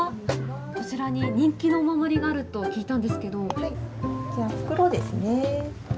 こちらに人気のお守りがあると聞いたんですけど。